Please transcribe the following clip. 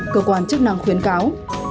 cơ quan chức năng khuyến cáo